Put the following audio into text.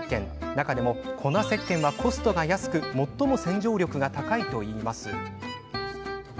中でも粉せっけんはコストが安く最も洗浄力が高いといいます。